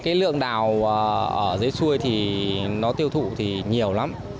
cái lượng đào ở dưới xuôi thì nó tiêu thụ thì nhiều lắm